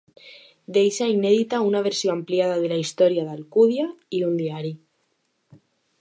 Deixà inèdita una versió ampliada de la Història d'Alcúdia i un diari.